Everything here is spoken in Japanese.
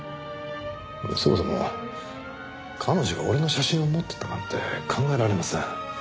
そもそも彼女が俺の写真を持ってたなんて考えられません。